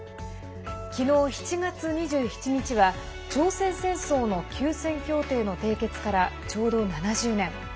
昨日７月２７日は朝鮮戦争の休戦協定の締結からちょうど７０年。